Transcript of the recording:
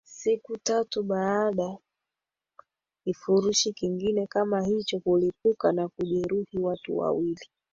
siku tatu baada kifurushi kingine kama hicho kulipuka na kujeruhi watu wawili